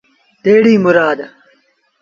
تيڙيٚ مُرآد